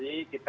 kita tidak tahu